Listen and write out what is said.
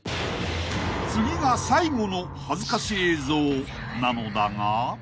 ［次が最後の恥ずかし映像なのだが］